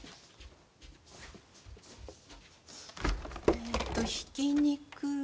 えっとひき肉。